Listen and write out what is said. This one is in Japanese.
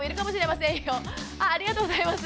ありがとうございます。